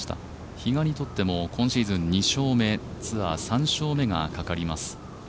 比嘉にとっても今シーズン２勝目、ツアー３勝目がかかります。